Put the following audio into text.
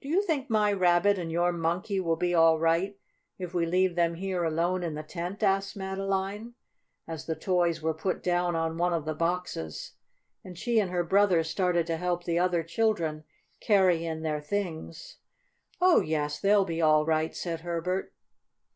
"Do you think my Rabbit and your Monkey will be all right if we leave them here alone in the tent?" asked Madeline, as the toys were put down on one of the boxes, and she and her brother started to help the other children carry in their things. "Oh yes, they'll be all right," said Herbert.